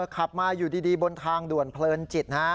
ขับมาอยู่ดีบนทางด่วนเพลินจิต